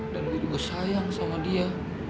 dan gue juga sayang sama dia